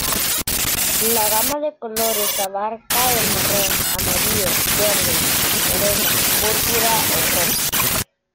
La gama de colores abarca el marrón, amarillo, verde, crema, púrpura o rosa.